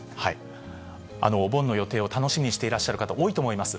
お盆の予定を楽しみにしていらっしゃる方、多いと思います。